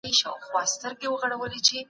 کله به حکومت پاسپورت په رسمي ډول وڅیړي؟